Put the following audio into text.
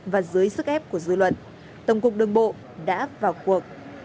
và dưới sức ép của dư luận tổng cục đường bộ đã vào cuộc